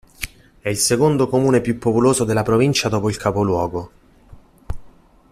È il secondo comune più popoloso della provincia dopo il capoluogo.